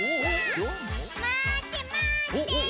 まってまって！